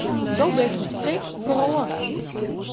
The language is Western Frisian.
Do bist in stik feroare.